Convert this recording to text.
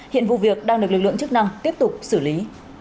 hiện vụ việc đang được lực lượng chức năng tiếp tục xử lý